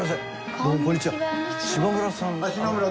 どうもこんにちは。